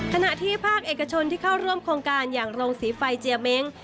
ขณะที่ภาคเอกชนที่เข้าร่วมโครงการอย่างโรงสีไฟเจียเม้ง